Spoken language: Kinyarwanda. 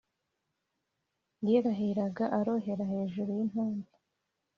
yirahiraga arohera hejuru y’intumbi